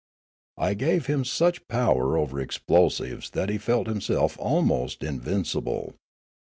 I gave him such power over explosives that he felt himself almost invincible.